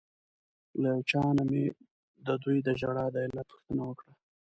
له یو چا نه مې ددوی د ژړا د علت پوښتنه وکړه.